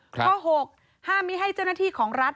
ข้อ๖ห้ามไม่ให้เจ้าหน้าที่ของรัฐ